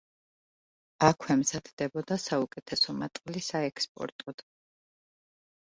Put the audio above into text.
აქვე მზადდებოდა საუკეთესო მატყლი საექსპორტოდ.